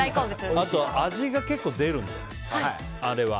あと味が出るんですよ、あれは。